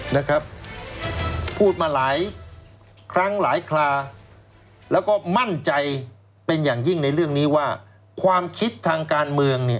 นะครับพูดมาหลายครั้งหลายคลาแล้วก็มั่นใจเป็นอย่างยิ่งในเรื่องนี้ว่าความคิดทางการเมืองเนี่ย